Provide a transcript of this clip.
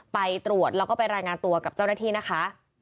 ไปตรวจแล้วก็ไปรายงานตัวกับเจ้าหน้าที่นะคะ